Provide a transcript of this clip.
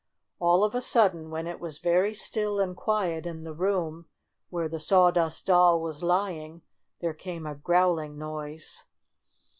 All of a sudden, when it was very still and quiet in the room where the Sawdust Doll was lying, there came a growling noise.